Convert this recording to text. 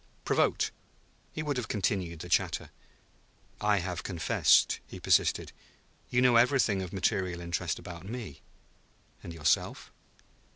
Provoked, he would have continued the chatter. "I have confessed," he persisted. "You know everything of material interest about me. And yourself?"